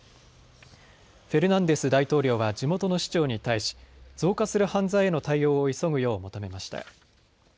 フェルナンデス大統領は地元の市長に対し増加する犯罪への対応を急ぐよう求めました。